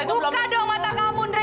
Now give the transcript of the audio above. buka dong mata kamu andre